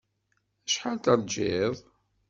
Acḥal terjiḍ?